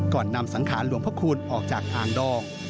นำสังขารหลวงพระคูณออกจากอ่างดอง